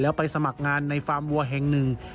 ไปสมัครงานในฟาร์มวัวแห่งหนึ่ง